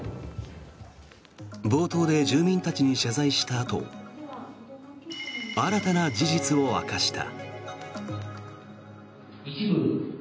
冒頭で住民たちに謝罪したあと新たな事実を明かした。